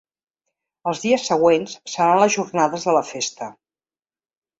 Els dies següents seran les jornades de la festa.